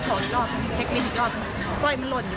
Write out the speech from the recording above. ตอนนี้เท่ากับว่าตำรวจก็มีภาพหลักฐานจากกล้องวงจักร